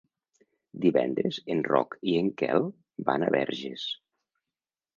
Divendres en Roc i en Quel van a Verges.